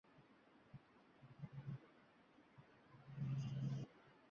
Erimning ahvoli, uyimdagi mojarolarni ko`rgach, uyga olib ketamanga tushib qoldi